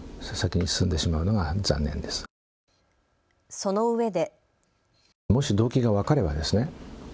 そのうえで。